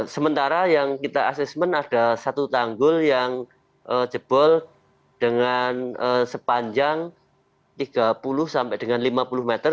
sementara yang kita asesmen ada satu tanggul yang jebol dengan sepanjang tiga puluh sampai dengan lima puluh meter